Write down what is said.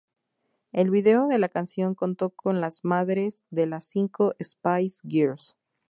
El video de la canción contó con las madres de las cinco Spice Girls.